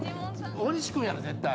大西君やろ絶対。